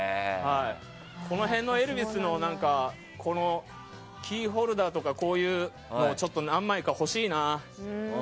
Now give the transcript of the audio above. この辺のエルヴィスのキーホルダーとかこういうの何枚か欲しいな。